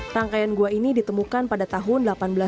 rangkaian gua ini ditemukan pada tahun seribu delapan ratus enam puluh